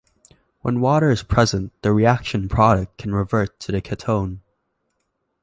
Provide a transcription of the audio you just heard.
When water is present, the reaction product can revert to the ketone.